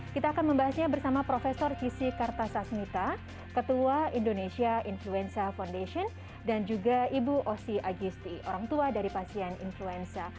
kita akan membahasnya bersama prof cissie kartasasmita ketua indonesia influenza foundation dan juga ibu osi agisti orang tua dari pasien influenza